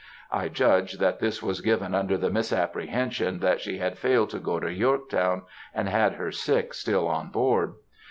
(I judge that this was given under the misapprehension that she had failed to go to Yorktown, and had her sick still on board.)